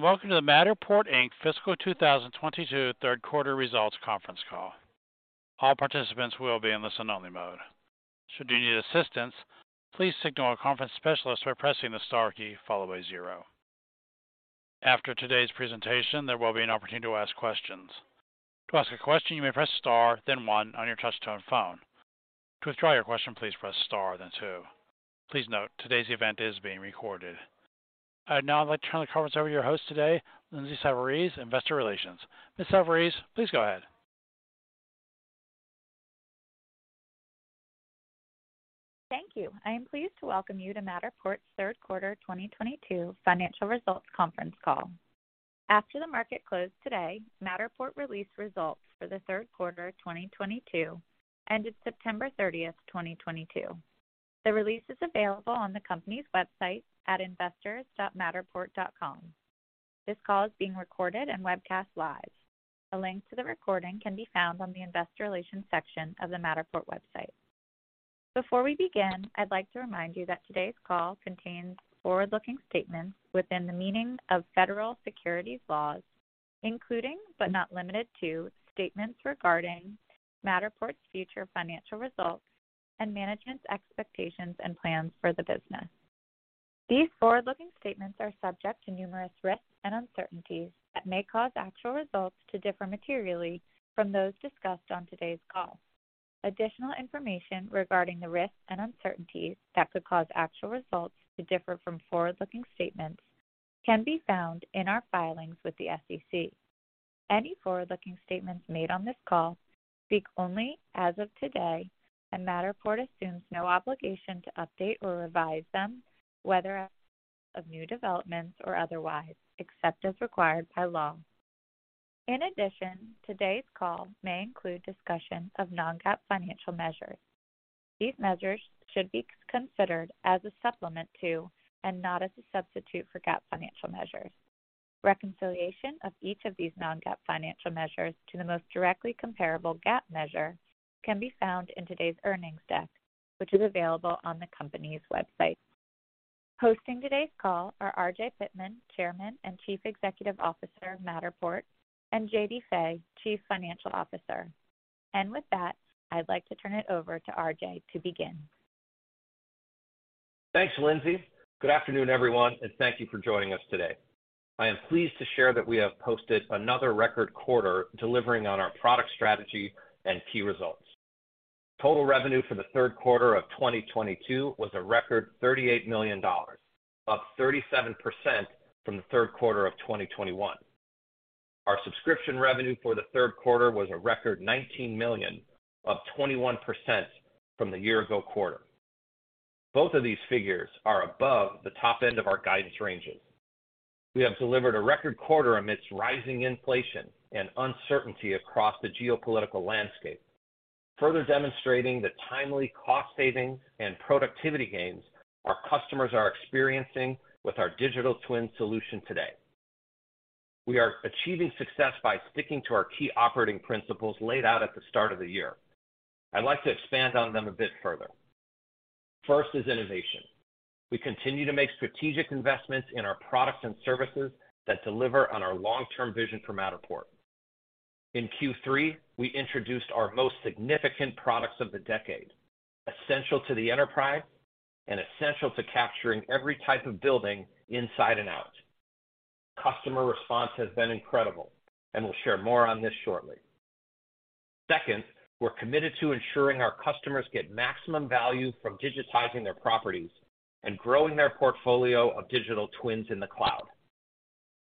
Welcome to the Matterport, Inc. Fiscal 2022 Third Quarter results conference call. All participants will be in listen only mode. Should you need assistance, please signal a conference specialist by pressing the star key followed by zero. After today's presentation, there will be an opportunity to ask questions. To ask a question, you may press star then one on your touch-tone phone. To withdraw your question, please press star then two. Please note, today's event is being recorded. I'd now like to turn the conference over to your host today, Lindsay Savarese, Investor Relations. Ms. Savarese, please go ahead. Thank you. I am pleased to welcome you to Matterport's Third Quarter 2022 financial results conference call. After the market closed today, Matterport released results for the Third Quarter of 2022, ended September 30, 2022. The release is available on the company's website at investors.matterport.com. This call is being recorded and webcast live. A link to the recording can be found on the investor relations section of the Matterport website. Before we begin, I'd like to remind you that today's call contains forward-looking statements within the meaning of federal securities laws, including, but not limited to, statements regarding Matterport's future financial results and management's expectations and plans for the business. These forward-looking statements are subject to numerous risks and uncertainties that may cause actual results to differ materially from those discussed on today's call. Additional information regarding the risks and uncertainties that could cause actual results to differ from forward-looking statements can be found in our filings with the SEC. Any forward-looking statements made on this call speak only as of today, and Matterport assumes no obligation to update or revise them, whether of new developments or otherwise, except as required by law. In addition, today's call may include discussion of non-GAAP financial measures. These measures should be considered as a supplement to, and not as a substitute for, GAAP financial measures. Reconciliation of each of these non-GAAP financial measures to the most directly comparable GAAP measure can be found in today's earnings deck, which is available on the company's website. Hosting today's call are RJ Pittman, Chairman and Chief Executive Officer of Matterport, and J.D. Fay, Chief Financial Officer. With that, I'd like to turn it over to RJ to begin. Thanks, Lindsay. Good afternoon, everyone, and thank you for joining us today. I am pleased to share that we have posted another record quarter delivering on our product strategy and key results. Total revenue for the third quarter of 2022 was a record $38 million, up 37% from the third quarter of 2021. Our subscription revenue for the third quarter was a record $19 million, up 21% from the year ago quarter. Both of these figures are above the top end of our guidance ranges. We have delivered a record quarter amidst rising inflation and uncertainty across the geopolitical landscape, further demonstrating the timely cost savings and productivity gains our customers are experiencing with our digital twin solution today. We are achieving success by sticking to our key operating principles laid out at the start of the year. I'd like to expand on them a bit further. First is innovation. We continue to make strategic investments in our products and services that deliver on our long-term vision for Matterport. In Q3, we introduced our most significant products of the decade, essential to the enterprise and essential to capturing every type of building inside and out. Customer response has been incredible, and we'll share more on this shortly. Second, we're committed to ensuring our customers get maximum value from digitizing their properties and growing their portfolio of digital twins in the cloud.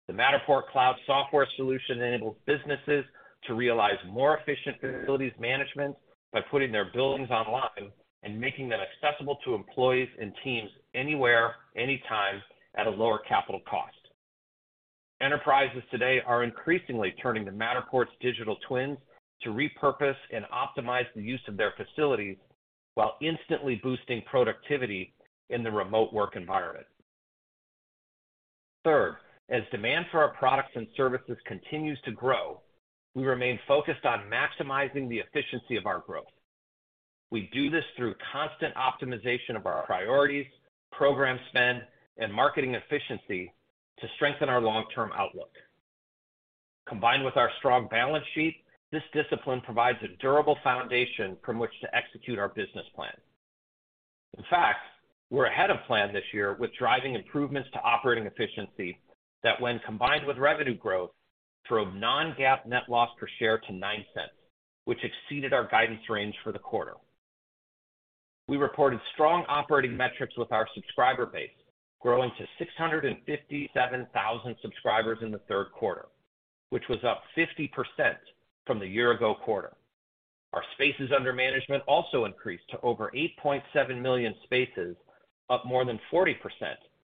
The Matterport cloud software solution enables businesses to realize more efficient facilities management by putting their buildings online and making them accessible to employees and teams anywhere, anytime at a lower capital cost. Enterprises today are increasingly turning to Matterport's digital twins to repurpose and optimize the use of their facilities while instantly boosting productivity in the remote work environment. Third, as demand for our products and services continues to grow, we remain focused on maximizing the efficiency of our growth. We do this through constant optimization of our priorities, program spend, and marketing efficiency to strengthen our long-term outlook. Combined with our strong balance sheet, this discipline provides a durable foundation from which to execute our business plan. In fact, we're ahead of plan this year with driving improvements to operating efficiency that when combined with revenue growth, drove non-GAAP net loss per share to $0.09, which exceeded our guidance range for the quarter. We reported strong operating metrics with our subscriber base growing to 657,000 subscribers in the third quarter, which was up 50% from the year ago quarter. Our spaces under management also increased to over 8.7 million spaces, up more than 40%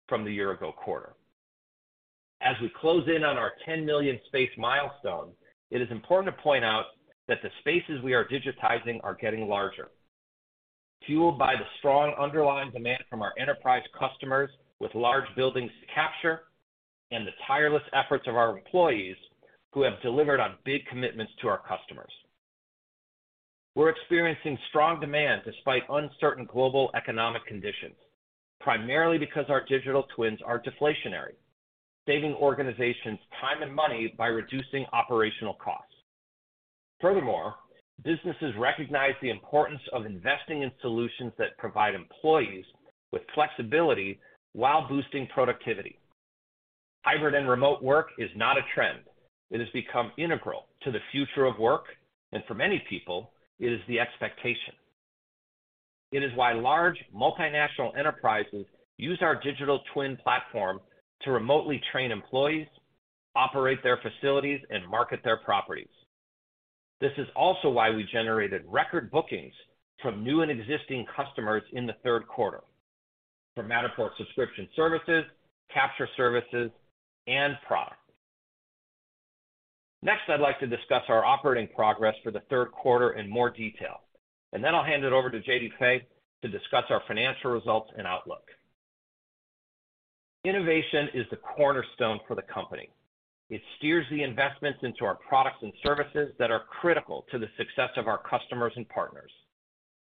from the year ago quarter. As we close in on our 10 million space milestone, it is important to point out that the spaces we are digitizing are getting larger. Fueled by the strong underlying demand from our enterprise customers with large buildings to capture and the tireless efforts of our employees who have delivered on big commitments to our customers. We're experiencing strong demand despite uncertain global economic conditions, primarily because our digital twins are deflationary, saving organizations time and money by reducing operational costs. Furthermore, businesses recognize the importance of investing in solutions that provide employees with flexibility while boosting productivity. Hybrid and remote work is not a trend. It has become integral to the future of work, and for many people, it is the expectation. It is why large multinational enterprises use our digital twin platform to remotely train employees, operate their facilities, and market their properties. This is also why we generated record bookings from new and existing customers in the third quarter for Matterport subscription services, capture services, and products. Next, I'd like to discuss our operating progress for the third quarter in more detail, and then I'll hand it over to J.D. Fay to discuss our financial results and outlook. Innovation is the cornerstone for the company. It steers the investments into our products and services that are critical to the success of our customers and partners.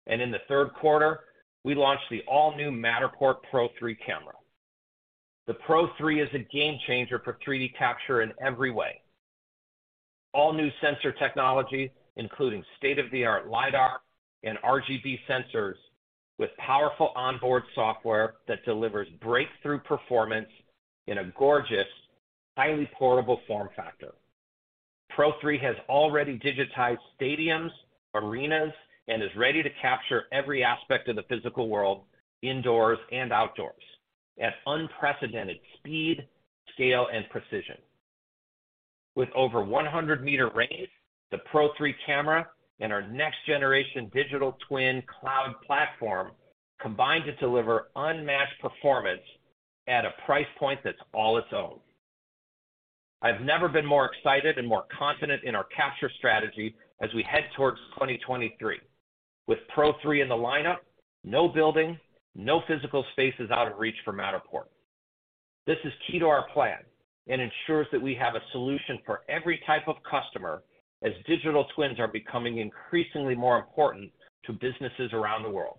In the third quarter, we launched the all-new Matterport Pro3 camera. The Pro3 is a game changer for 3D capture in every way. All-new sensor technology, including state-of-the-art LiDAR and RGB sensors with powerful onboard software that delivers breakthrough performance in a gorgeous, highly portable form factor. Pro3 has already digitized stadiums, arenas, and is ready to capture every aspect of the physical world, indoors and outdoors, at unprecedented speed, scale, and precision. With over 100-meter range, the Pro3 camera and our next-generation digital twin cloud platform combine to deliver unmatched performance at a price point that's all its own. I've never been more excited and more confident in our capture strategy as we head towards 2023. With Pro3 in the lineup, no building, no physical space is out of reach for Matterport. This is key to our plan and ensures that we have a solution for every type of customer as digital twins are becoming increasingly more important to businesses around the world.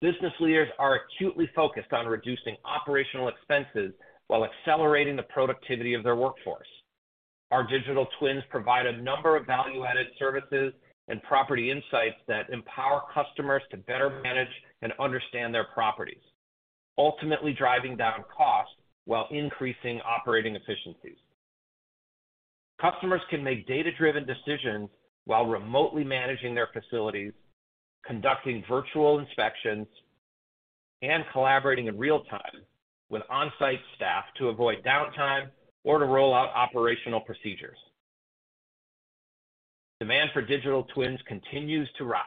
Business leaders are acutely focused on reducing operational expenses while accelerating the productivity of their workforce. Our digital twins provide a number of value-added services and property insights that empower customers to better manage and understand their properties, ultimately driving down costs while increasing operating efficiencies. Customers can make data-driven decisions while remotely managing their facilities, conducting virtual inspections, and collaborating in real time with on-site staff to avoid downtime or to roll out operational procedures. Demand for digital twins continues to rise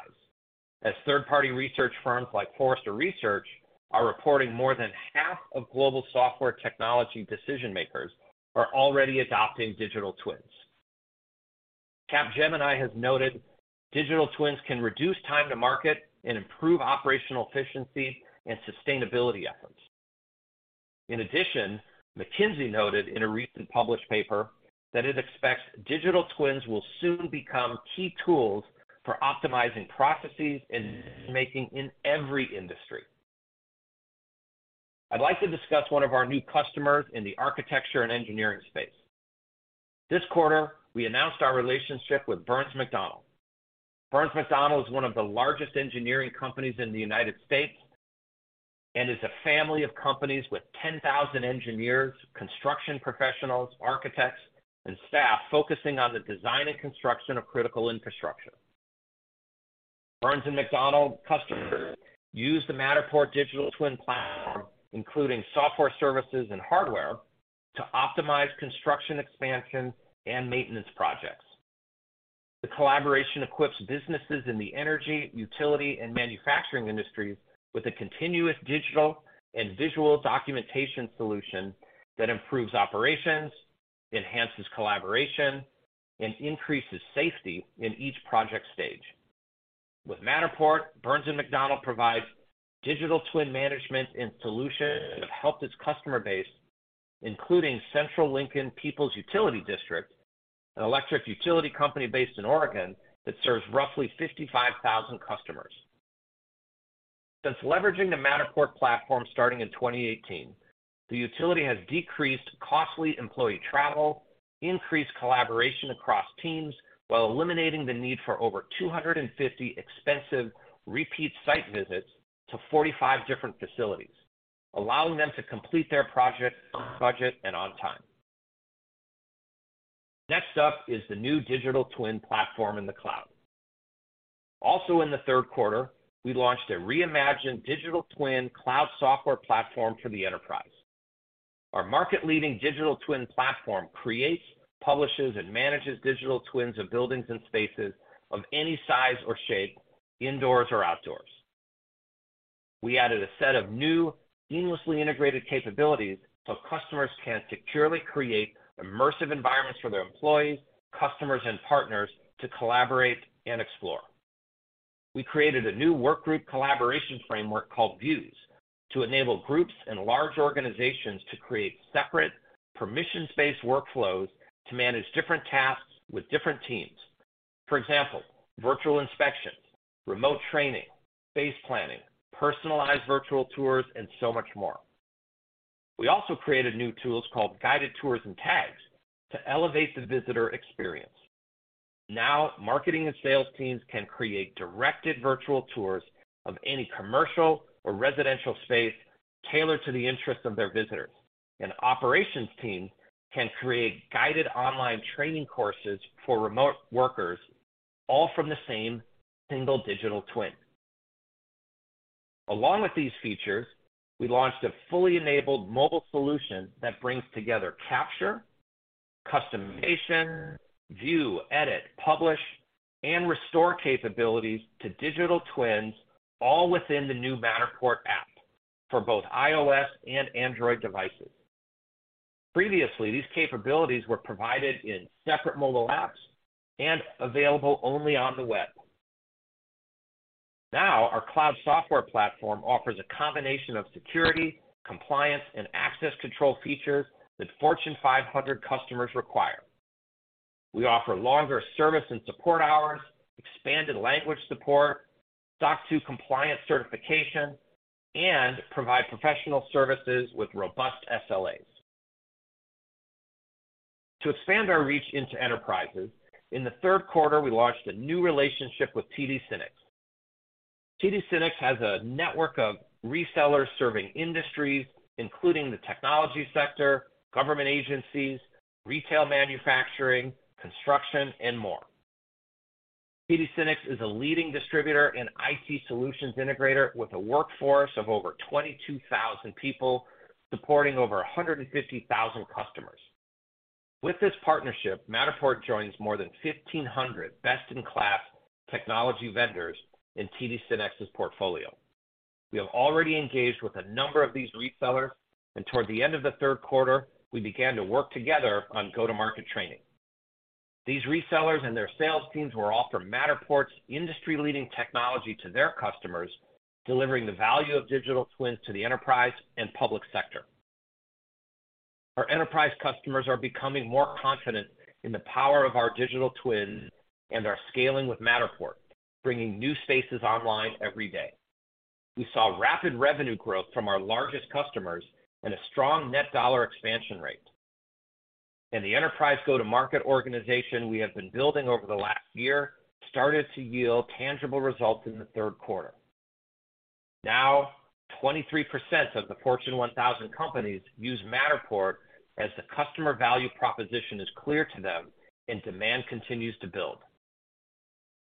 as third-party research firms like Forrester Research are reporting more than half of global software technology decision-makers are already adopting digital twins. Capgemini has noted digital twins can reduce time to market and improve operational efficiency and sustainability efforts. In addition, McKinsey noted in a recent published paper that it expects digital twins will soon become key tools for optimizing processes and making in every industry. I'd like to discuss one of our new customers in the architecture and engineering space. This quarter, we announced our relationship with Burns & McDonnell. Burns & McDonnell is one of the largest engineering companies in the United States and is a family of companies with 10,000 engineers, construction professionals, architects, and staff focusing on the design and construction of critical infrastructure. Burns & McDonnell customers use the Matterport digital twin platform, including software services and hardware, to optimize construction expansion and maintenance projects. The collaboration equips businesses in the energy, utility, and manufacturing industries with a continuous digital and visual documentation solution that improves operations, enhances collaboration, and increases safety in each project stage. With Matterport, Burns & McDonnell provides digital twin management and solutions that have helped its customer base, including Central Lincoln People's Utility District, an electric utility company based in Oregon that serves roughly 55,000 customers. Since leveraging the Matterport platform starting in 2018, the utility has decreased costly employee travel, increased collaboration across teams while eliminating the need for over 250 expensive repeat site visits to 45 different facilities, allowing them to complete their project budget and on time. Next up is the new digital twin platform in the cloud. Also in the third quarter, we launched a reimagined digital twin cloud software platform for the enterprise. Our market-leading digital twin platform creates, publishes, and manages digital twins of buildings and spaces of any size or shape, indoors or outdoors. We added a set of new seamlessly integrated capabilities so customers can securely create immersive environments for their employees, customers, and partners to collaborate and explore. We created a new work group collaboration framework called Views to enable groups and large organizations to create separate permission-based workflows to manage different tasks with different teams. For example, virtual inspections, remote training, space planning, personalized virtual tours, and so much more. We also created new tools called Guided Tours and Tags to elevate the visitor experience. Now, marketing and sales teams can create directed virtual tours of any commercial or residential space tailored to the interest of their visitors. An operations team can create guided online training courses for remote workers, all from the same single digital twin. Along with these features, we launched a fully enabled mobile solution that brings together capture, customization, view, edit, publish, and restore capabilities to digital twins, all within the new Matterport app for both iOS and Android devices. Previously, these capabilities were provided in separate mobile apps and available only on the web. Now, our cloud software platform offers a combination of security, compliance, and access control features that Fortune 500 customers require. We offer longer service and support hours, expanded language support, SOC 2 compliance certification, and provide professional services with robust SLAs. To expand our reach into enterprises, in the third quarter, we launched a new relationship with TD SYNNEX. TD SYNNEX has a network of resellers serving industries, including the technology sector, government agencies, retail manufacturing, construction, and more. TD SYNNEX is a leading distributor and IT solutions integrator with a workforce of over 22,000 people, supporting over 150,000 customers. With this partnership, Matterport joins more than 1,500 best-in-class technology vendors in TD SYNNEX's portfolio. We have already engaged with a number of these resellers, and toward the end of the third quarter, we began to work together on go-to-market training. These resellers and their sales teams will offer Matterport's industry-leading technology to their customers, delivering the value of digital twins to the enterprise and public sector. Our enterprise customers are becoming more confident in the power of our digital twins and are scaling with Matterport, bringing new spaces online every day. We saw rapid revenue growth from our largest customers and a strong net dollar expansion rate. The enterprise go-to-market organization we have been building over the last year started to yield tangible results in the third quarter. Now, 23% of the Fortune 1000 companies use Matterport, as the customer value proposition is clear to them and demand continues to build.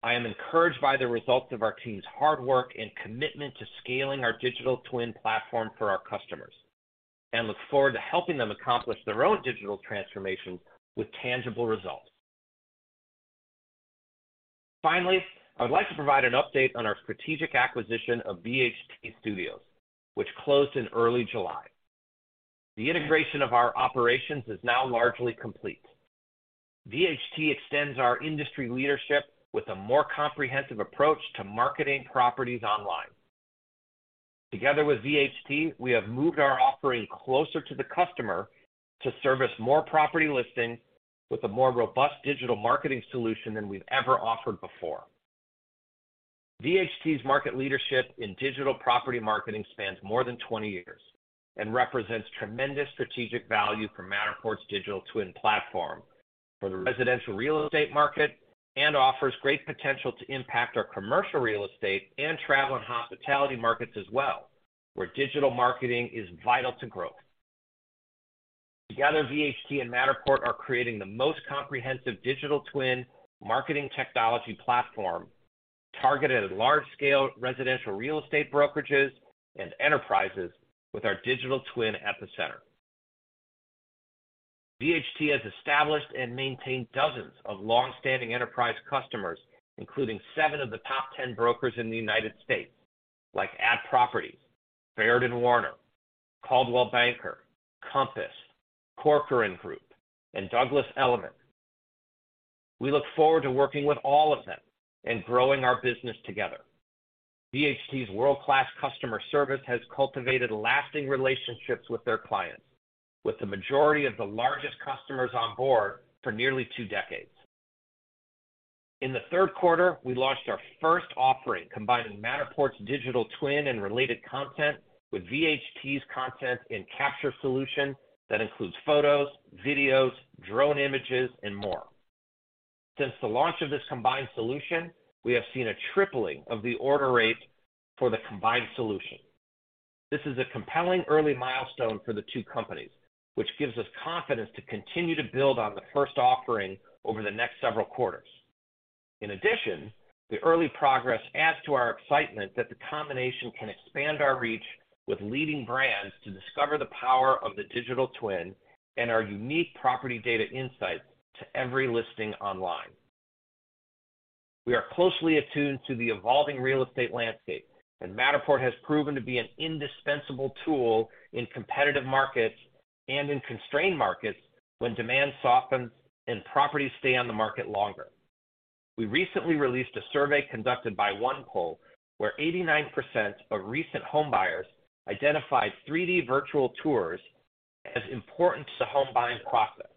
I am encouraged by the results of our team's hard work and commitment to scaling our digital twin platform for our customers and look forward to helping them accomplish their own digital transformation with tangible results. Finally, I would like to provide an update on our strategic acquisition of VHT Studios, which closed in early July. The integration of our operations is now largely complete. VHT extends our industry leadership with a more comprehensive approach to marketing properties online. Together with VHT, we have moved our offering closer to the customer to service more property listings with a more robust digital marketing solution than we've ever offered before. VHT's market leadership in digital property marketing spans more than 20 years and represents tremendous strategic value for Matterport's digital twin platform for the residential real estate market and offers great potential to impact our commercial real estate and travel and hospitality markets as well, where digital marketing is vital to growth. Together, VHT and Matterport are creating the most comprehensive digital twin marketing technology platform targeted at large-scale residential real estate brokerages and enterprises with our digital twin epicenter. VHT has established and maintained dozens of long-standing enterprise customers, including seven of the top 10 brokers in the United States, like @properties, Baird & Warner, Coldwell Banker, Compass, Corcoran Group, and Douglas Elliman. We look forward to working with all of them and growing our business together. VHT's world-class customer service has cultivated lasting relationships with their clients, with the majority of the largest customers on board for nearly two decades. In the third quarter, we launched our first offering, combining Matterport's digital twin and related content with VHT's content and capture solution that includes photos, videos, drone images, and more. Since the launch of this combined solution, we have seen a tripling of the order rate for the combined solution. This is a compelling early milestone for the two companies, which gives us confidence to continue to build on the first offering over the next several quarters. In addition, the early progress adds to our excitement that the combination can expand our reach with leading brands to discover the power of the digital twin and our unique property data insights to every listing online. We are closely attuned to the evolving real estate landscape, and Matterport has proven to be an indispensable tool in competitive markets. In constrained markets, when demand softens and properties stay on the market longer. We recently released a survey conducted by OnePoll, where 89% of recent home buyers identified 3D virtual tours as important to the home buying process.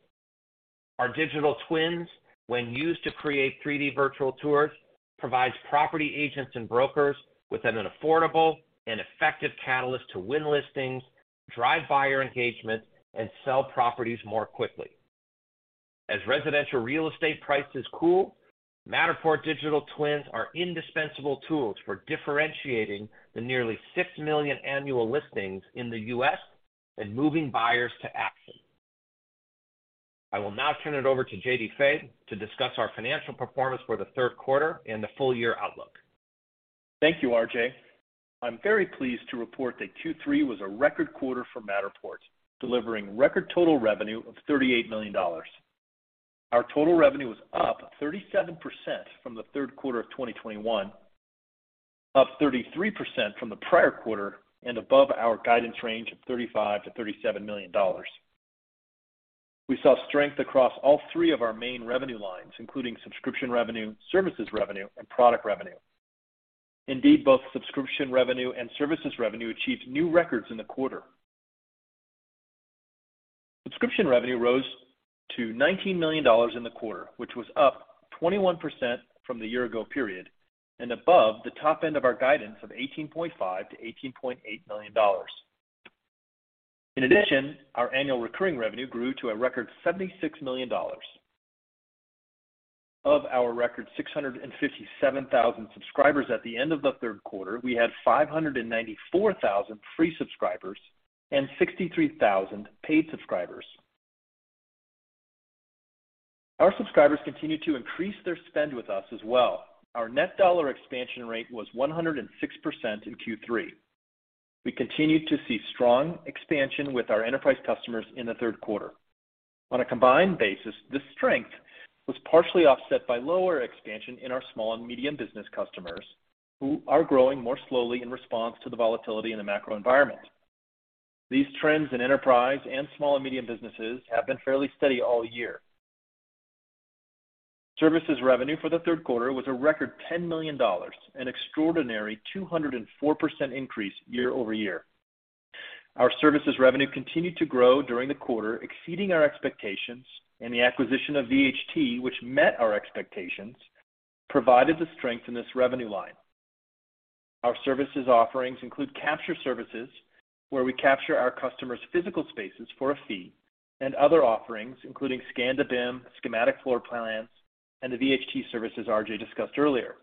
Our digital twins, when used to create 3D virtual tours, provides property agents and brokers with an affordable and effective catalyst to win listings, drive buyer engagement, and sell properties more quickly. As residential real estate prices cool, Matterport digital twins are indispensable tools for differentiating the nearly six million annual listings in the U.S. and moving buyers to action. I will now turn it over to J.D. Fay to discuss our financial performance for the third quarter and the full year outlook. Thank you, RJ. I'm very pleased to report that Q3 was a record quarter for Matterport, delivering record total revenue of $38 million. Our total revenue was up 37% from the third quarter of 2021, up 33% from the prior quarter and above our guidance range of $35 million-$37 million. We saw strength across all three of our main revenue lines, including subscription revenue, services revenue, and product revenue. Indeed, both subscription revenue and services revenue achieved new records in the quarter. Subscription revenue rose to $19 million in the quarter, which was up 21% from the year ago period, and above the top end of our guidance of $18.5 million-$18.8 million. In addition, our annual recurring revenue grew to a record $76 million. Of our record 657,000 subscribers at the end of the third quarter, we had 594,000 free subscribers and 63,000 paid subscribers. Our subscribers continued to increase their spend with us as well. Our net dollar expansion rate was 106% in Q3. We continued to see strong expansion with our enterprise customers in the third quarter. On a combined basis, this strength was partially offset by lower expansion in our small and medium business customers, who are growing more slowly in response to the volatility in the macro environment. These trends in enterprise and small and medium businesses have been fairly steady all year. Services revenue for the third quarter was a record $10 million, an extraordinary 204% increase year over year. Our services revenue continued to grow during the quarter, exceeding our expectations, and the acquisition of VHT, which met our expectations, provided the strength in this revenue line. Our services offerings include capture services, where we capture our customers' physical spaces for a fee, and other offerings, including scan-to-BIM, schematic floor plans, and the VHT services RJ discussed earlier.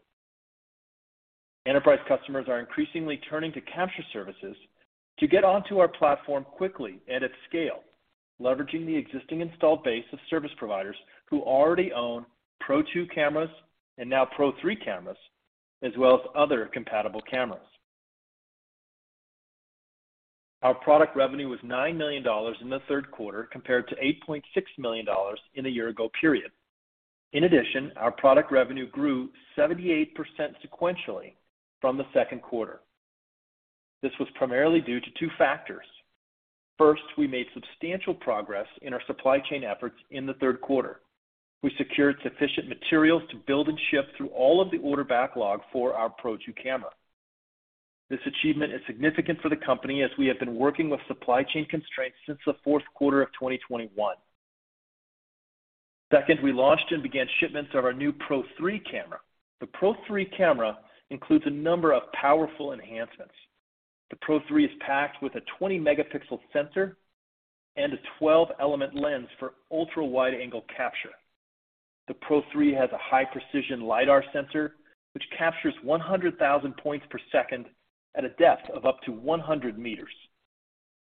Enterprise customers are increasingly turning to capture services to get onto our platform quickly and at scale, leveraging the existing installed base of service providers who already own Pro2 cameras and now Pro3 cameras, as well as other compatible cameras. Our product revenue was $9 million in the third quarter, compared to $8.6 million in the year-ago period. In addition, our product revenue grew 78% sequentially from the second quarter. This was primarily due to two factors. First, we made substantial progress in our supply chain efforts in the third quarter. We secured sufficient materials to build and ship through all of the order backlog for our Pro2 camera. This achievement is significant for the company as we have been working with supply chain constraints since the fourth quarter of 2021. Second, we launched and began shipments of our new Pro3 camera. The Pro3 camera includes a number of powerful enhancements. The Pro3 is packed with a 20-megapixel sensor and a 12-element lens for ultra-wide-angle capture. The Pro3 has a high-precision lidar sensor, which captures 100,000 points per second at a depth of up to 100 meters.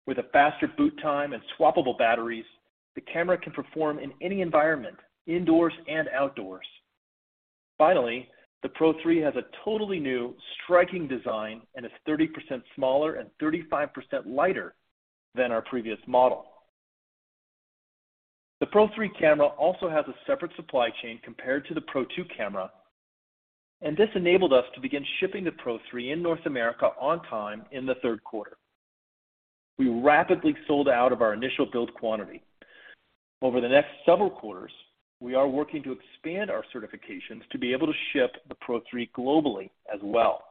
With a faster boot time and swappable batteries, the camera can perform in any environment, indoors and outdoors. Finally, the Pro3 has a totally new striking design and is 30% smaller and 35% lighter than our previous model. The Pro3 camera also has a separate supply chain compared to the Pro2 camera, and this enabled us to begin shipping the Pro3 in North America on time in the third quarter. We rapidly sold out of our initial build quantity. Over the next several quarters, we are working to expand our certifications to be able to ship the Pro3 globally as well.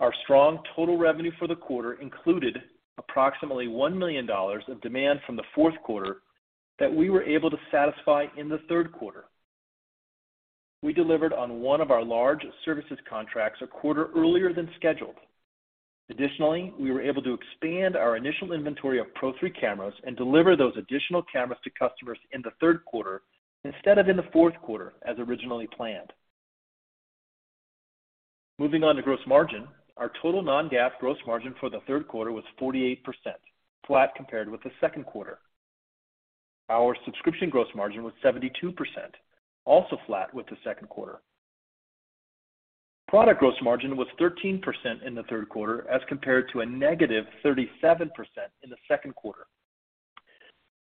Our strong total revenue for the quarter included approximately $1 million of demand from the fourth quarter that we were able to satisfy in the third quarter. We delivered on one of our large services contracts a quarter earlier than scheduled. Additionally, we were able to expand our initial inventory of Pro3 cameras and deliver those additional cameras to customers in the third quarter instead of in the fourth quarter as originally planned. Moving on to gross margin, our total non-GAAP gross margin for the third quarter was 48%, flat compared with the second quarter. Our subscription gross margin was 72%, also flat with the second quarter. Product gross margin was 13% in the third quarter as compared to a negative 37% in the second quarter.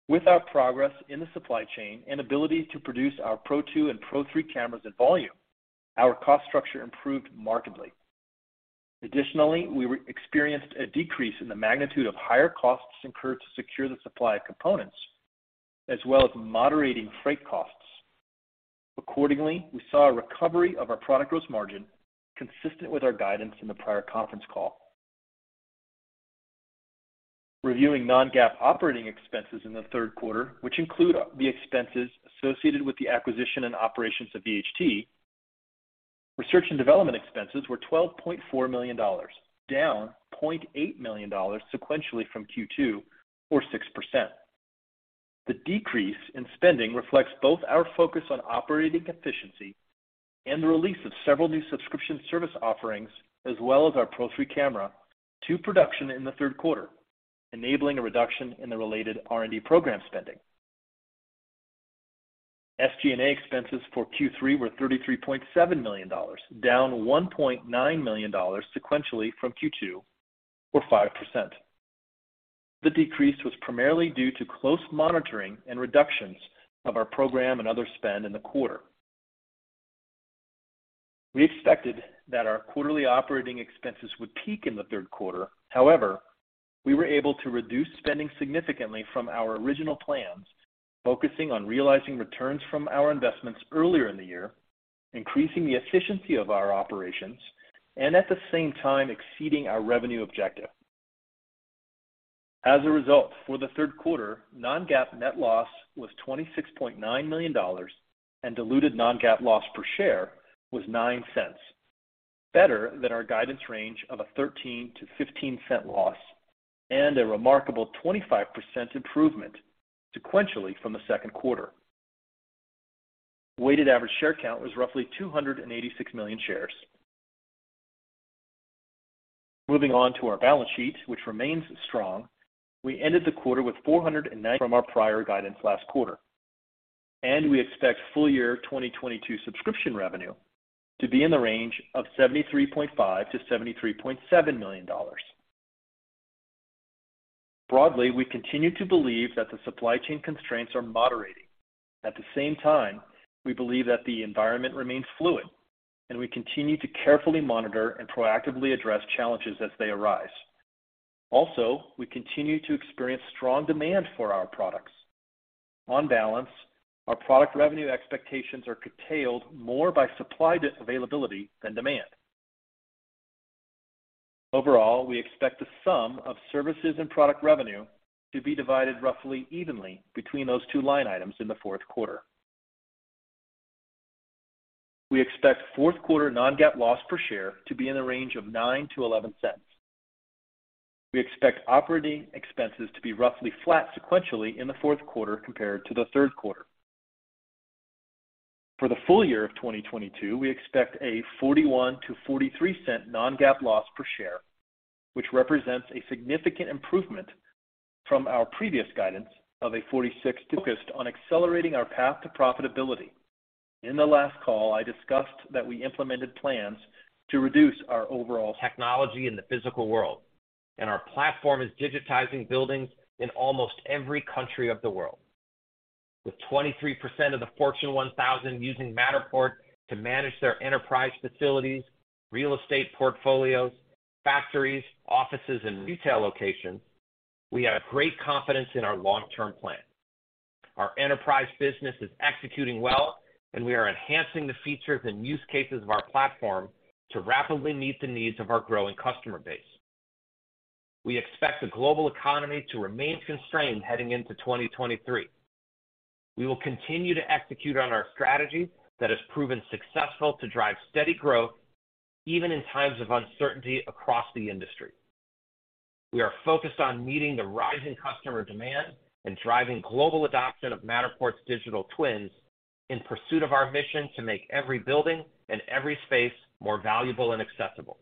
With our progress in the supply chain and ability to produce our Pro2 and Pro3 cameras at volume, our cost structure improved markedly. Additionally, we experienced a decrease in the magnitude of higher costs incurred to secure the supply of components, as well as moderating freight costs. Accordingly, we saw a recovery of our product gross margin consistent with our guidance in the prior conference call. Reviewing non-GAAP operating expenses in the third quarter, which include the expenses associated with the acquisition and operations of VHT. Research and development expenses were $12.4 million, down $0.8 million sequentially from Q2, or 6%. The decrease in spending reflects both our focus on operating efficiency and the release of several new subscription service offerings, as well as our Pro3 camera to production in the third quarter, enabling a reduction in the related R&D program spending. SG&A expenses for Q3 were $33.7 million, down $1.9 million sequentially from Q2, or 5%. The decrease was primarily due to close monitoring and reductions of our program and other spend in the quarter. We expected that our quarterly operating expenses would peak in the third quarter. However, we were able to reduce spending significantly from our original plans, focusing on realizing returns from our investments earlier in the year, increasing the efficiency of our operations, and at the same time exceeding our revenue objective. As a result, for the third quarter, non-GAAP net loss was $26.9 million and diluted non-GAAP loss per share was $0.09, better than our guidance range of a $0.13-$0.15 loss and a remarkable 25% improvement sequentially from the second quarter. Weighted average share count was roughly 286 million shares. Moving on to our balance sheet, which remains strong, we ended the quarter with $495 million from our prior guidance last quarter. We expect full year 2022 subscription revenue to be in the range of $73.5 million-$73.7 million. Broadly, we continue to believe that the supply chain constraints are moderating. At the same time, we believe that the environment remains fluid and we continue to carefully monitor and proactively address challenges as they arise. Also, we continue to experience strong demand for our products. On balance, our product revenue expectations are curtailed more by supply availability than demand. Overall, we expect the sum of services and product revenue to be divided roughly evenly between those two line items in the fourth quarter. We expect fourth quarter non-GAAP loss per share to be in the range of $0.09-$0.11. We expect operating expenses to be roughly flat sequentially in the fourth quarter compared to the third quarter. For the full year of 2022, we expect a $0.41-$0.43 non-GAAP loss per share, which represents a significant improvement from our previous guidance of a [$0.46]. Focused on accelerating our path to profitability. In the last call, I discussed that we implemented plans to reduce our overall. Technology in the physical world, and our platform is digitizing buildings in almost every country of the world. With 23% of the Fortune 1000 using Matterport to manage their enterprise facilities, real estate portfolios, factories, offices, and retail locations, we have great confidence in our long-term plan. Our enterprise business is executing well, and we are enhancing the features and use cases of our platform to rapidly meet the needs of our growing customer base. We expect the global economy to remain constrained heading into 2023. We will continue to execute on our strategy that has proven successful to drive steady growth even in times of uncertainty across the industry. We are focused on meeting the rising customer demand and driving global adoption of Matterport's digital twins in pursuit of our mission to make every building and every space more valuable and accessible.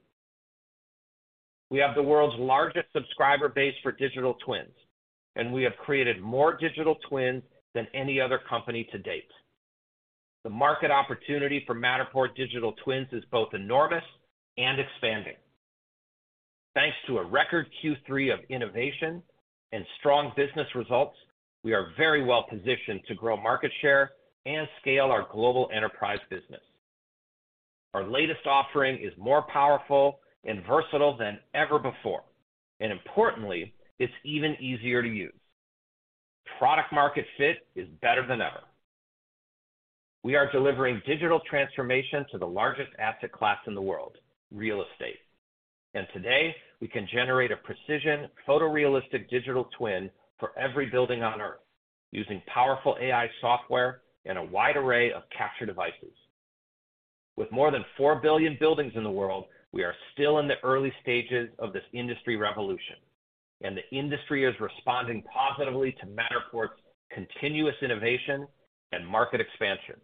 We have the world's largest subscriber base for digital twins, and we have created more digital twins than any other company to date. The market opportunity for Matterport digital twins is both enormous and expanding. Thanks to a record Q3 of innovation and strong business results, we are very well positioned to grow market share and scale our global enterprise business. Our latest offering is more powerful and versatile than ever before, and importantly, it's even easier to use. Product market fit is better than ever. We are delivering digital transformation to the largest asset class in the world, real estate. Today, we can generate a precision photorealistic digital twin for every building on Earth using powerful AI software and a wide array of capture devices. With more than four billion buildings in the world, we are still in the early stages of this industry revolution, and the industry is responding positively to Matterport's continuous innovation and market expansion.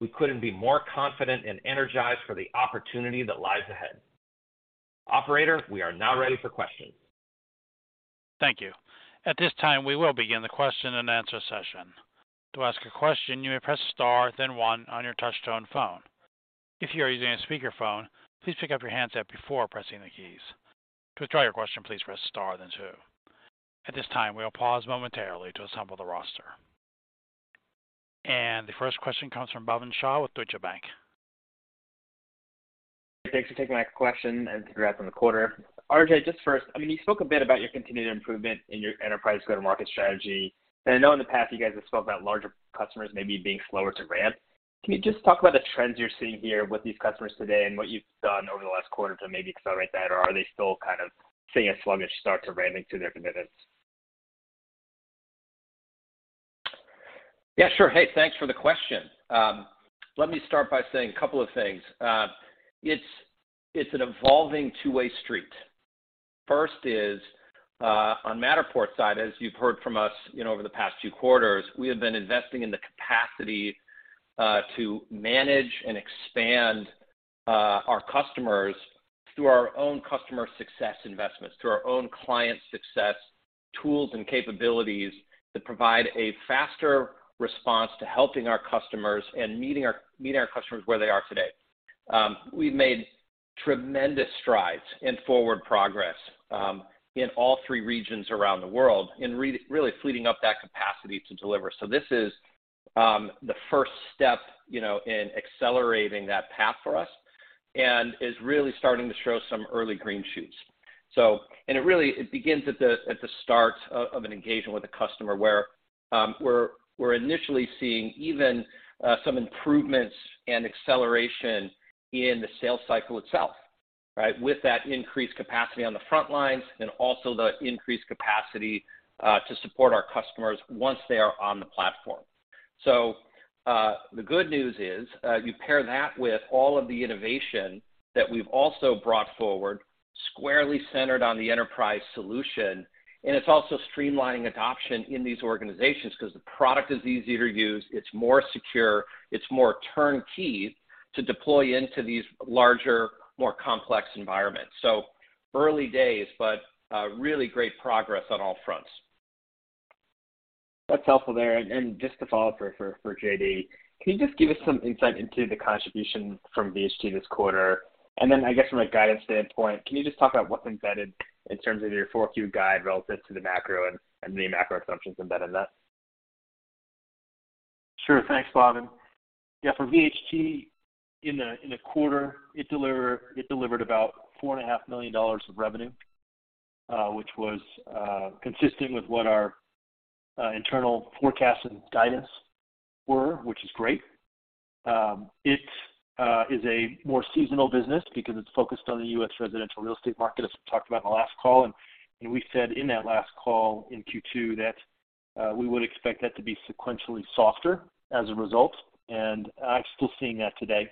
We couldn't be more confident and energized for the opportunity that lies ahead. Operator, we are now ready for questions. Thank you. At this time, we will begin the question and answer session. To ask a question, you may press star then one on your touch-tone phone. If you are using a speakerphone, please pick up your handset before pressing the keys. To withdraw your question, please press star then two. At this time, we'll pause momentarily to assemble the roster. The first question comes from Bhavin Shah with Deutsche Bank. Thanks for taking my question, and congrats on the quarter. RJ, just first, I mean, you spoke a bit about your continued improvement in your enterprise go-to-market strategy. I know in the past you guys have spoke about larger customers maybe being slower to ramp. Can you just talk about the trends you're seeing here with these customers today and what you've done over the last quarter to maybe accelerate that? Or are they still kind of seeing a sluggish start to ramping to their commitments? Yeah, sure. Hey, thanks for the question. Let me start by saying a couple of things. It's an evolving two-way street. First is on Matterport side, as you've heard from us, you know, over the past two quarters, we have been investing in the capacity to manage and expand our customers through our own customer success investments, through our own client success tools and capabilities that provide a faster response to helping our customers and meeting our customers where they are today. We've made tremendous strides and forward progress in all three regions around the world in really beefing up that capacity to deliver. This is the first step, you know, in accelerating that path for us, and is really starting to show some early green shoots. It begins at the start of an engagement with a customer where we're initially seeing even some improvements and acceleration in the sales cycle itself, right? With that increased capacity on the front lines and also the increased capacity to support our customers once they are on the platform. The good news is you pair that with all of the innovation that we've also brought forward squarely centered on the enterprise solution, and it's also streamlining adoption in these organizations 'cause the product is easier to use, it's more secure, it's more turnkey to deploy into these larger, more complex environments. Early days, but really great progress on all fronts. That's helpful there. Just to follow up for JD, can you just give us some insight into the contribution from VHT this quarter? I guess from a guidance standpoint, can you just talk about what's embedded in terms of your 4Q guide relative to the macro and the macro assumptions embedded in that? Sure. Thanks, Bhavin. Yeah, for VHT in the quarter, it delivered about $4.5 million of revenue, which was consistent with what our internal forecast and guidance were, which is great. It is a more seasonal business because it's focused on the U.S. residential real estate market, as we talked about in the last call. We said in that last call in Q2 that we would expect that to be sequentially softer as a result. I'm still seeing that today,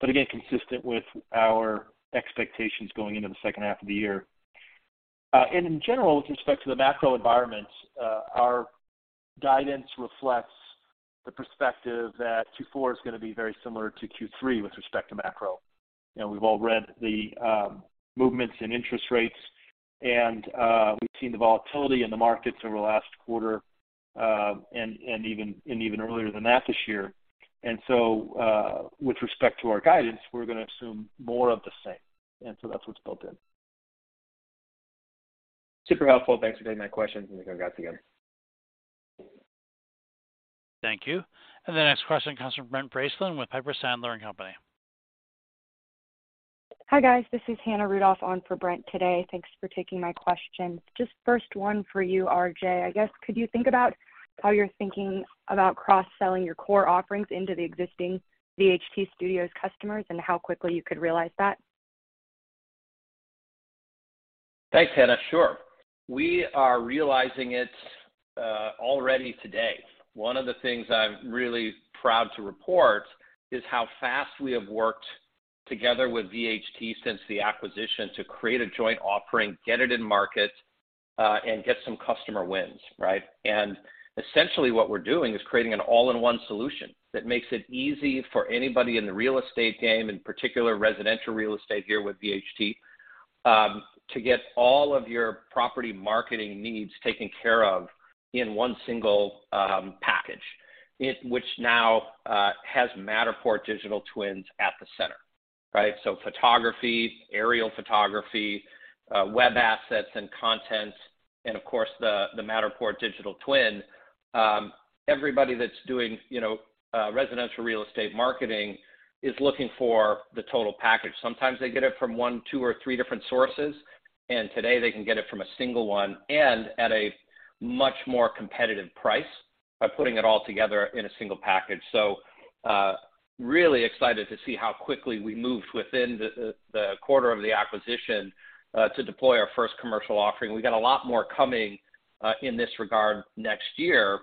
but again, consistent with our expectations going into the second half of the year. In general, with respect to the macro environment, our guidance reflects the perspective that Q4 is gonna be very similar to Q3 with respect to macro. You know, we've all read the movements in interest rates, and we've seen the volatility in the markets over the last quarter, and even earlier than that this year. With respect to our guidance, we're gonna assume more of the same, and so that's what's built in. Super helpful. Thanks for taking my questions, and congrats again. Thank you. The next question comes from Brent Bracelin with Piper Sandler & Company. Hi, guys. This is Hannah Rudolph on for Brent today. Thanks for taking my question. Just first one for you, RJ. I guess could you think about how you're thinking about cross-selling your core offerings into the existing VHT Studios customers and how quickly you could realize that? Thanks, Hannah. Sure. We are realizing it already today. One of the things I'm really proud to report is how fast we have worked together with VHT since the acquisition to create a joint offering, get it in market, and get some customer wins, right? Essentially what we're doing is creating an all-in-one solution that makes it easy for anybody in the real estate game, in particular residential real estate here with VHT, to get all of your property marketing needs taken care of in one single package, which now has Matterport digital twins at the center, right? Photography, aerial photography, web assets and content, and of course the Matterport digital twin. Everybody that's doing, you know, residential real estate marketing is looking for the total package. Sometimes they get it from one, two, or three different sources, and today they can get it from a single one and at a much more competitive price by putting it all together in a single package. Really excited to see how quickly we moved within the quarter of the acquisition to deploy our first commercial offering. We got a lot more coming in this regard next year,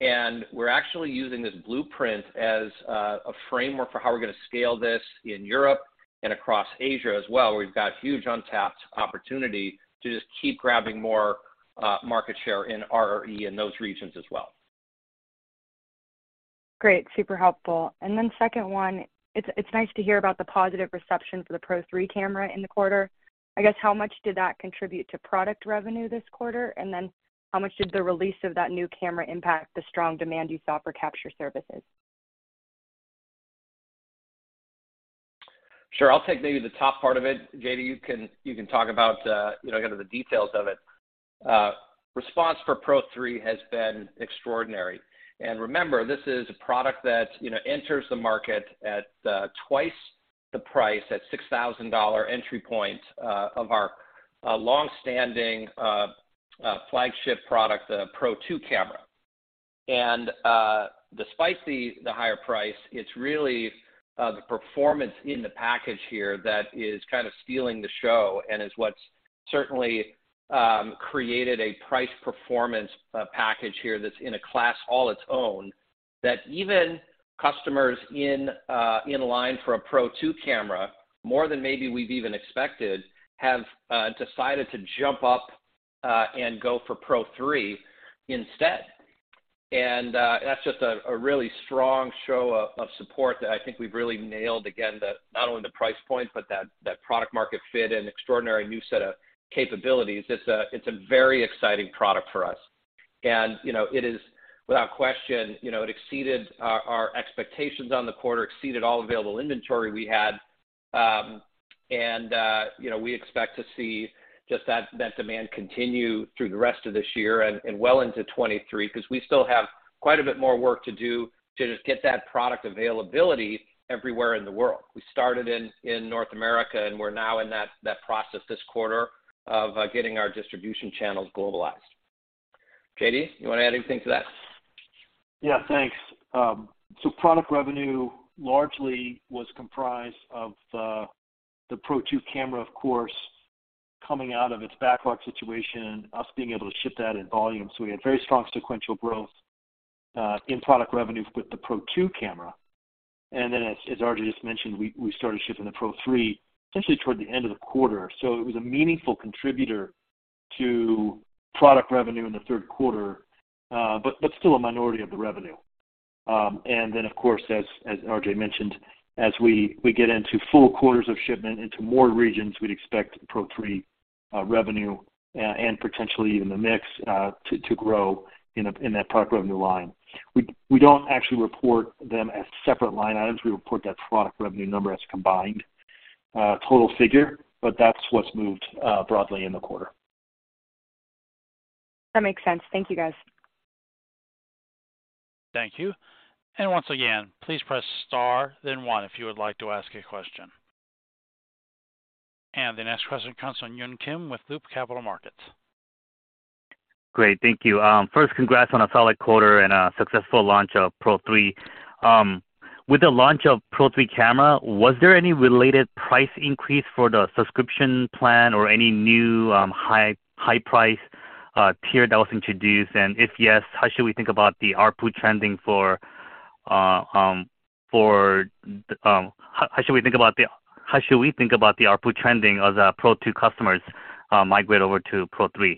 and we're actually using this blueprint as a framework for how we're gonna scale this in Europe and across Asia as well, where we've got huge untapped opportunity to just keep grabbing more market share in RRE in those regions as well. Great. Super helpful. Second one, it's nice to hear about the positive reception for the Pro3 camera in the quarter. I guess how much did that contribute to product revenue this quarter? And then how much did the release of that new camera impact the strong demand you saw for capture services? Sure. I'll take maybe the top part of it. J.D., you can talk about kind of the details of it. Response for Pro3 has been extraordinary. Remember, this is a product that enters the market at twice the price, at $6,000 entry point, of our long-standing flagship product, the Pro2 camera. Despite the higher price, it's really the performance in the package here that is kind of stealing the show and is what's certainly created a price performance package here that's in a class all its own, that even customers in line for a Pro2 camera, more than maybe we've even expected, have decided to jump up and go for Pro3 instead. That's just a really strong show of support that I think we've really nailed again, not only the price point, but that product market fit and extraordinary new set of capabilities. It's a very exciting product for us. You know, it is without question, you know, it exceeded our expectations on the quarter, exceeded all available inventory we had. You know, we expect to see just that demand continue through the rest of this year and well into 2023 'cause we still have quite a bit more work to do to just get that product availability everywhere in the world. We started in North America, and we're now in that process this quarter of getting our distribution channels globalized. J.D., you wanna add anything to that? Yeah, thanks. Product revenue largely was comprised of the Pro2 camera, of course, coming out of its backlog situation, us being able to ship that in volume. We had very strong sequential growth in product revenue with the Pro2 camera. As RJ just mentioned, we started shipping the Pro3 essentially toward the end of the quarter. It was a meaningful contributor to product revenue in the third quarter, but still a minority of the revenue. Of course, as RJ mentioned, as we get into full quarters of shipment into more regions, we'd expect Pro3 revenue and potentially even the mix to grow in that product revenue line. We don't actually report them as separate line items. We report that product revenue number as a combined, total figure, but that's what's moved, broadly in the quarter. That makes sense. Thank you, guys. Thank you. Once again, please press star then one if you would like to ask a question. The next question comes from Yun Kim with Loop Capital Markets. Great. Thank you. First, congrats on a solid quarter and a successful launch of Pro3. With the launch of Pro3 camera, was there any related price increase for the subscription plan or any new high price tier that was introduced? If yes, how should we think about the ARPU trending as Pro2 customers migrate over to Pro3?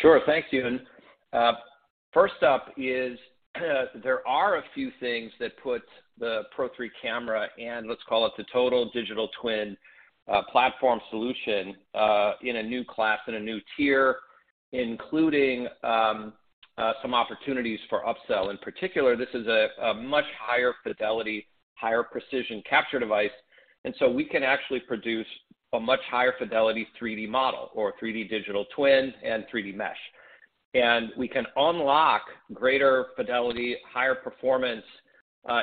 Sure. Thanks, Yun. First up, there are a few things that put the Pro3 camera and let's call it the total digital twin platform solution in a new class, in a new tier, including some opportunities for upsell. In particular, this is a much higher fidelity, higher precision capture device, and so we can actually produce a much higher fidelity 3D model or 3D digital twin and 3D mesh. We can unlock greater fidelity, higher performance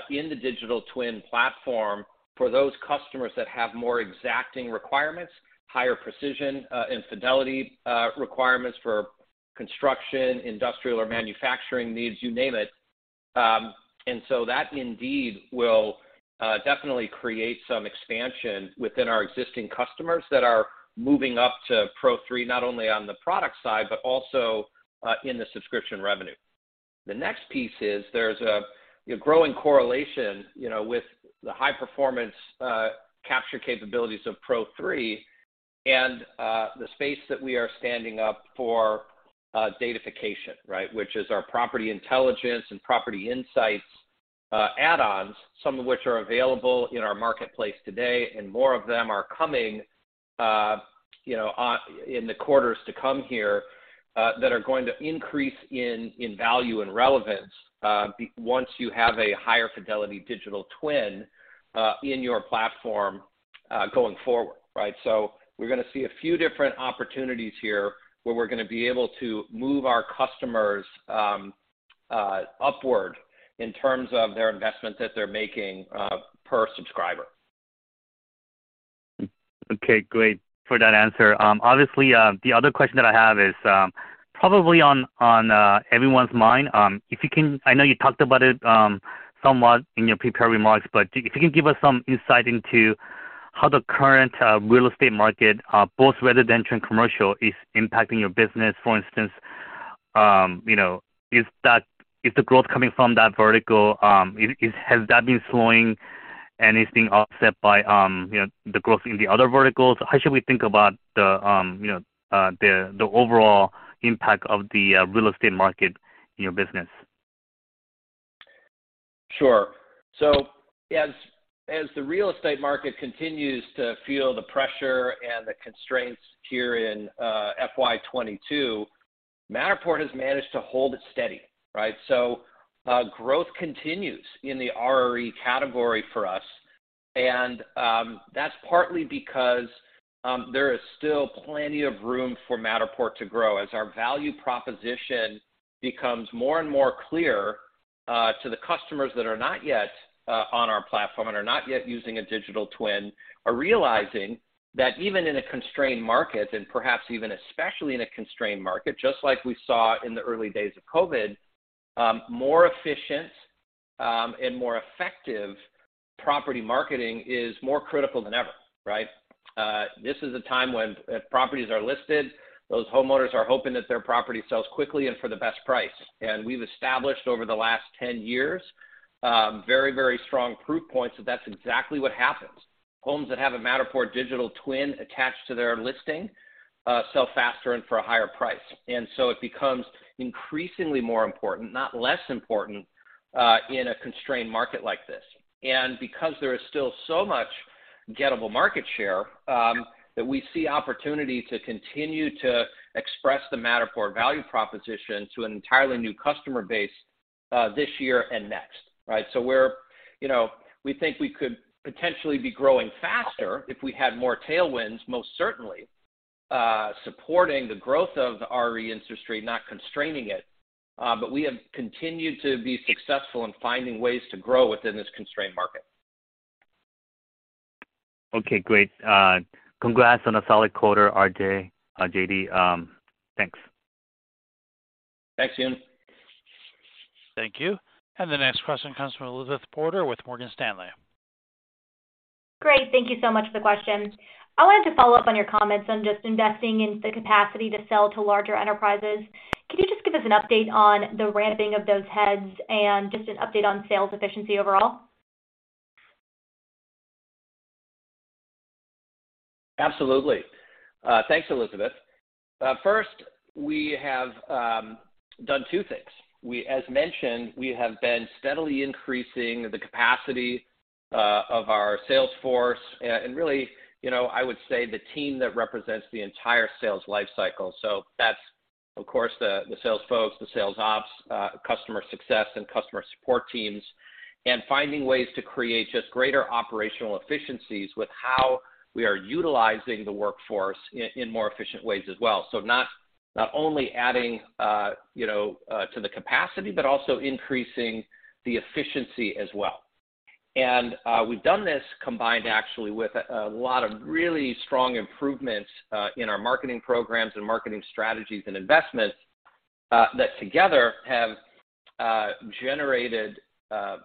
in the digital twin platform for those customers that have more exacting requirements, higher precision and fidelity requirements for construction, industrial or manufacturing needs, you name it. That indeed will definitely create some expansion within our existing customers that are moving up to Pro3 not only on the product side, but also in the subscription revenue. The next piece is there's a growing correlation, you know, with the high performance capture capabilities of Pro3 and the space that we are standing up for datafication, right? Which is our property intelligence and property insights add-ons, some of which are available in our marketplace today, and more of them are coming, you know, in the quarters to come here, that are going to increase in value and relevance, because once you have a higher fidelity digital twin in your platform going forward, right? We're gonna see a few different opportunities here, where we're gonna be able to move our customers upward in terms of their investment that they're making per subscriber. Okay. Great for that answer. Obviously, the other question that I have is probably on everyone's mind. I know you talked about it somewhat in your prepared remarks, but if you can give us some insight into how the current real estate market, both residential and commercial, is impacting your business. For instance, you know, is the growth coming from that vertical? Has that been slowing and it's being offset by you know, the growth in the other verticals? How should we think about the you know, the overall impact of the real estate market on your business? Sure. As the real estate market continues to feel the pressure and the constraints here in FY 2022, Matterport has managed to hold it steady, right? Growth continues in the RRE category for us, and that's partly because there is still plenty of room for Matterport to grow as our value proposition becomes more and more clear to the customers that are not yet on our platform and are not yet using a digital twin. They are realizing that even in a constrained market, and perhaps even especially in a constrained market, just like we saw in the early days of COVID, more efficient and more effective property marketing is more critical than ever, right? This is a time when properties are listed. Those homeowners are hoping that their property sells quickly and for the best price. We've established over the last 10 years, very, very strong proof points that that's exactly what happens. Homes that have a Matterport digital twin attached to their listing, sell faster and for a higher price. It becomes increasingly more important, not less important, in a constrained market like this. Because there is still so much gettable market share, that we see opportunity to continue to express the Matterport value proposition to an entirely new customer base, this year and next, right? We're, you know, we think we could potentially be growing faster if we had more tailwinds, most certainly, supporting the growth of the RE industry, not constraining it. We have continued to be successful in finding ways to grow within this constrained market. Okay, great. Congrats on a solid quarter, RJ, J.D. Thanks. Thanks, Yun. Thank you. The next question comes from Elizabeth Porter with Morgan Stanley. Great. Thank you so much for the question. I wanted to follow up on your comments on just investing in the capacity to sell to larger enterprises. Can you just give us an update on the ramping of those heads and just an update on sales efficiency overall? Absolutely. Thanks, Elizabeth. First, we have done two things. As mentioned, we have been steadily increasing the capacity of our sales force and really, you know, I would say the team that represents the entire sales life cycle. That's of course the sales folks, the sales Ops, customer success and customer support teams, and finding ways to create just greater operational efficiencies with how we are utilizing the workforce in more efficient ways as well. Not only adding to the capacity, but also increasing the efficiency as well. We've done this combined actually with a lot of really strong improvements in our marketing programs and marketing strategies and investments that together have generated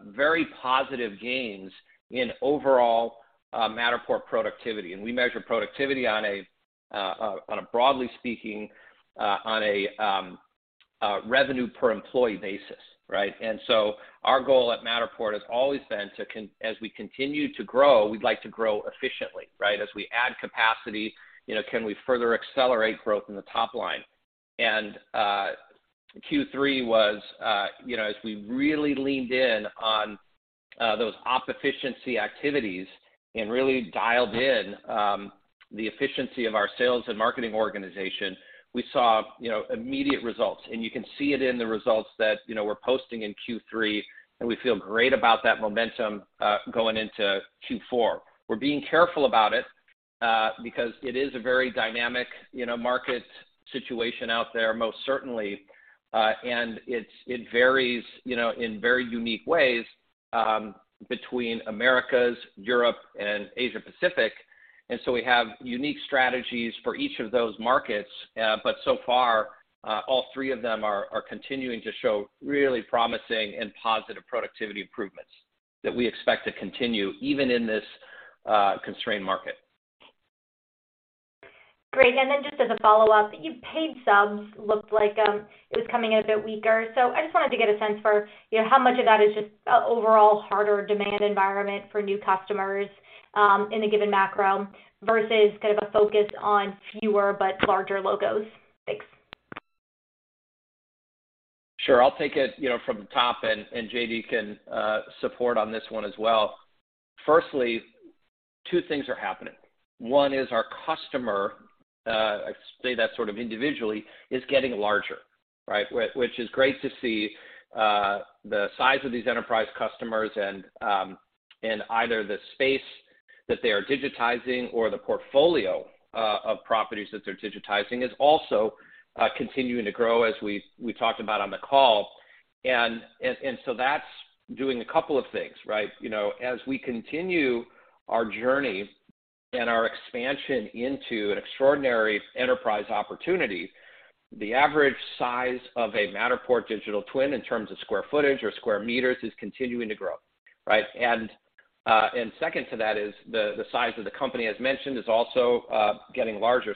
very positive gains in overall Matterport productivity. We measure productivity on a broadly speaking, a revenue per employee basis, right? Our goal at Matterport has always been as we continue to grow, we'd like to grow efficiently, right? As we add capacity, you know, can we further accelerate growth in the top line? Q3 was, you know, as we really leaned in on those op efficiency activities and really dialed in the efficiency of our sales and marketing organization, we saw, you know, immediate results. You can see it in the results that, you know, we're posting in Q3, and we feel great about that momentum going into Q4. We're being careful about it because it is a very dynamic, you know, market situation out there, most certainly. It varies, you know, in very unique ways between Americas, Europe, and Asia-Pacific. We have unique strategies for each of those markets. So far, all three of them are continuing to show really promising and positive productivity improvements that we expect to continue even in this constrained market. Great. Just as a follow-up, your paid subs looked like it was coming in a bit weaker. I just wanted to get a sense for, you know, how much of that is just overall harder demand environment for new customers in a given macro versus kind of a focus on fewer but larger logos. Thanks. Sure. I'll take it, you know, from the top and J.D. can support on this one as well. Firstly, two things are happening. One is our customer, I say that sort of individually, is getting larger, right? Which is great to see, the size of these enterprise customers and either the space that they are digitizing or the portfolio of properties that they're digitizing is also continuing to grow as we talked about on the call. So that's doing a couple of things, right? You know, as we continue our journey and our expansion into an extraordinary enterprise opportunity, the average size of a Matterport digital twin in terms of square footage or square meters is continuing to grow, right? Second to that is the size of the company, as mentioned, is also getting larger.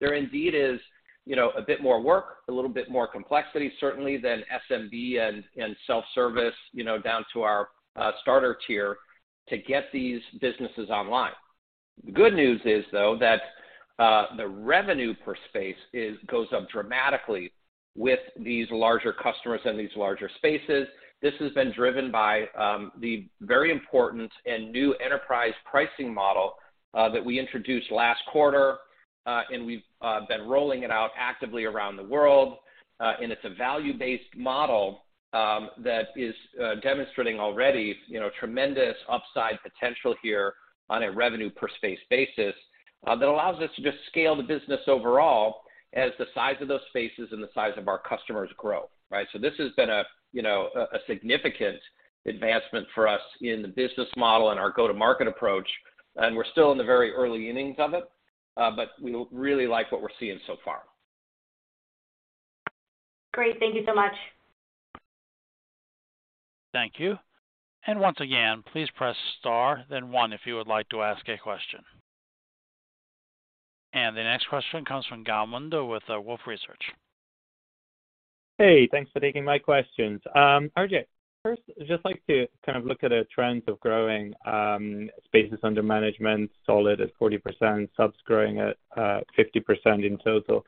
There indeed is, you know, a bit more work, a little bit more complexity certainly than SMB and self-service, you know, down to our starter tier to get these businesses online. The good news is, though, that the revenue per space goes up dramatically with these larger customers and these larger spaces. This has been driven by the very important and new enterprise pricing model that we introduced last quarter. We've been rolling it out actively around the world. It's a value-based model that is demonstrating already, you know, tremendous upside potential here on a revenue per space basis that allows us to just scale the business overall as the size of those spaces and the size of our customers grow, right? This has been a, you know, significant advancement for us in the business model and our go-to-market approach. We're still in the very early innings of it, but we really like what we're seeing so far. Great. Thank you so much. Thank you. Once again, please press star then one if you would like to ask a question. The next question comes from Gal Munda with Wolfe Research. Hey, thanks for taking my questions. RJ, first, I'd just like to kind of look at the trends of growing spaces under management solid at 40%, subs growing at 50% in total.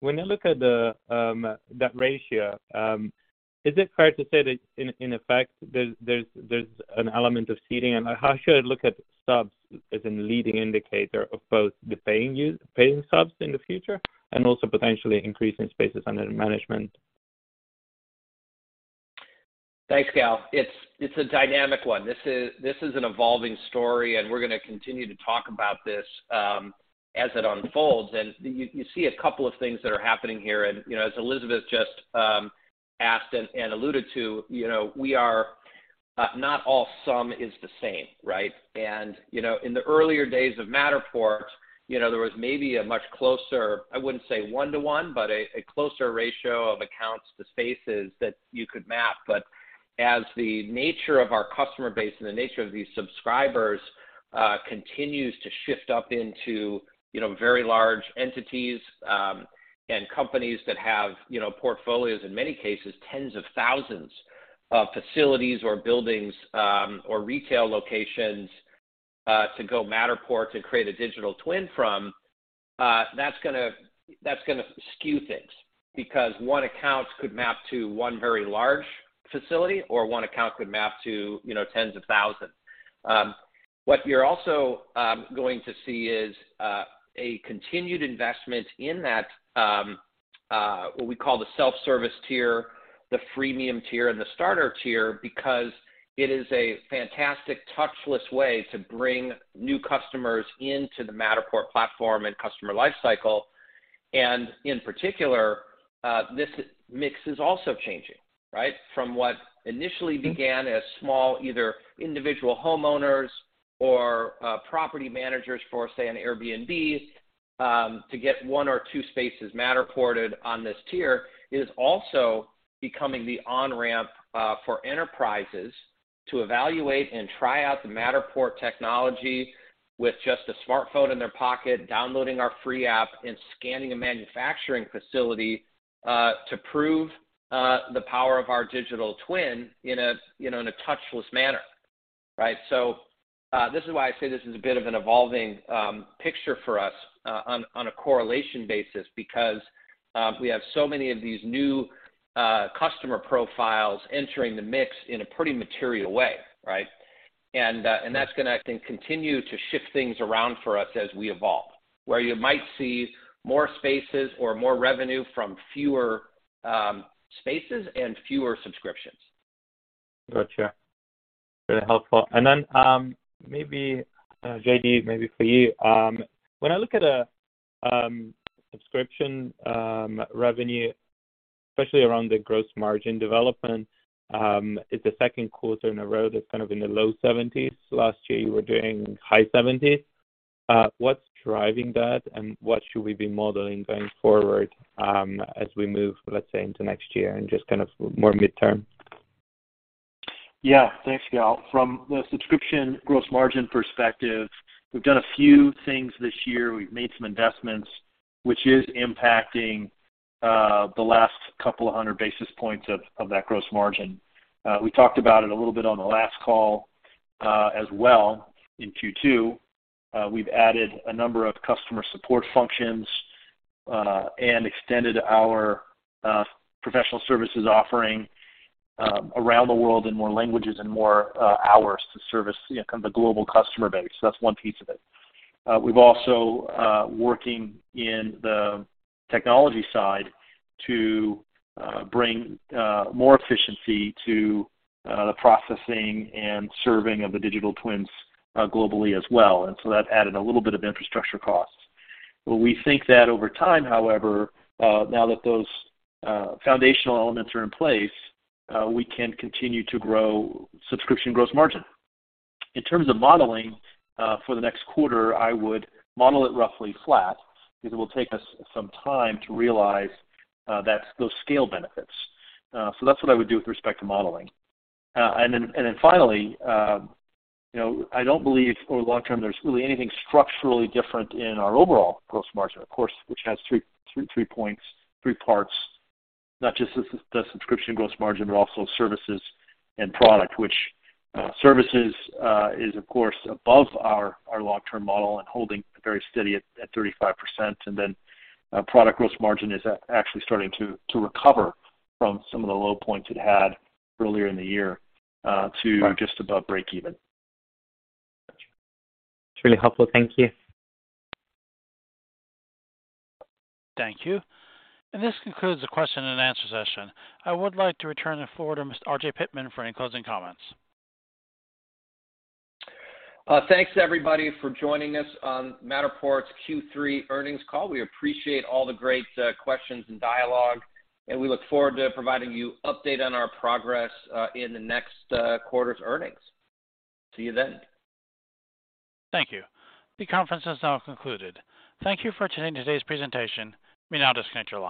When I look at the that ratio, is it fair to say that in effect there's an element of seeding? How should I look at subs as a leading indicator of both the paying subs in the future and also potentially increasing spaces under management? Thanks, Gal. It's a dynamic one. This is an evolving story, and we're gonna continue to talk about this, as it unfolds. You see a couple of things that are happening here. You know, as Elizabeth just asked and alluded to, you know, we are not all some is the same, right? You know, in the earlier days of Matterport, you know, there was maybe a much closer. I wouldn't say one to one, but a closer ratio of accounts to spaces that you could map. As the nature of our customer base and the nature of these subscribers continues to shift up into, you know, very large entities, and companies that have, you know, portfolios, in many cases, tens of thousands of facilities or buildings, or retail locations to go Matterport to create a digital twin from, that's gonna skew things because one account could map to one very large facility or one account could map to, you know, tens of thousands. What you're also going to see is a continued investment in that, what we call the self-service tier, the freemium tier, and the starter tier because it is a fantastic touchless way to bring new customers into the Matterport platform and customer life cycle. In particular, this mix is also changing, right? From what initially began as small, either individual homeowners or property managers for, say, an Airbnb to get one or two spaces Matterported on this tier, it is also becoming the on-ramp for enterprises to evaluate and try out the Matterport technology with just a smartphone in their pocket, downloading our free app and scanning a manufacturing facility to prove the power of our digital twin in a you know in a touchless manner, right? This is why I say this is a bit of an evolving picture for us on a correlation basis because we have so many of these new customer profiles entering the mix in a pretty material way, right? That's gonna continue to shift things around for us as we evolve, where you might see more spaces or more revenue from fewer spaces and fewer subscriptions. Gotcha. Very helpful. Maybe, J.D., maybe for you, when I look at, subscription revenue, especially around the gross margin development, it's the second quarter in a row that's kind of in the low 70s%. Last year, you were doing high 70s%. What's driving that, and what should we be modeling going forward, as we move, let's say, into next year and just kind of more midterm? Yeah. Thanks, Gal. From the subscription gross margin perspective, we've done a few things this year. We've made some investments, which is impacting the last couple hundred basis points of that gross margin. We talked about it a little bit on the last call, as well in Q2. We've added a number of customer support functions, and extended our professional services offering around the world in more languages and more hours to service, you know, kind of the global customer base. So that's one piece of it. We've also working in the technology side to bring more efficiency to the processing and serving of the digital twins, globally as well. That added a little bit of infrastructure costs. We think that over time, however, now that those foundational elements are in place, we can continue to grow subscription gross margin. In terms of modeling, for the next quarter, I would model it roughly flat because it will take us some time to realize those scale benefits. That's what I would do with respect to modeling. Finally, you know, I don't believe over the long term there's really anything structurally different in our overall gross margin, of course, which has three points, three parts. Not just the subscription gross margin, but also services and product, which services is of course above our long-term model and holding very steady at 35%. Product gross margin is actually starting to recover from some of the low points it had earlier in the year to just above break even. It's really helpful. Thank you. Thank you. This concludes the question and answer session. I would like to return the floor to Mr. RJ Pittman for any closing comments. Thanks everybody for joining us on Matterport's Q3 earnings call. We appreciate all the great questions and dialogue, and we look forward to providing you update on our progress in the next quarter's earnings. See you then. Thank you. The conference is now concluded. Thank you for attending today's presentation. You may now disconnect your line.